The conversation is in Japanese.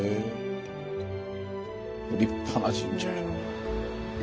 立派な神社やな。